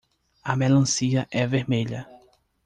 A melancia é vermelha.